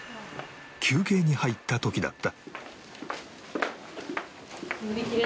休憩に入った時だった